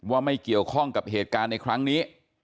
ว่าไม่เกี่ยวข้องกับเหตุการณ์ในครั้งนี้